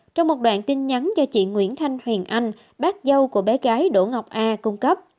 trong một đoạn tin nhắn do chị nguyễn thanh huyền anh bác dâu của bé gái đỗ ngọc a cung cấp